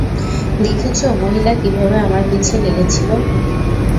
দেখেছ, মহিলা কীভাবে আমার পিছে লেগেছিল?